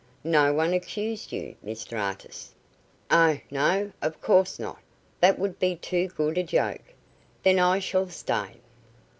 "No one accused you, Mr Artis." "Oh, no, of course not; that would be too good a joke. Then I shall stay."